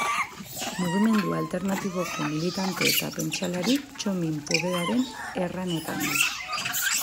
Mugimendu alternatiboko militante eta pentsalari Txomin Povedaren erranetan.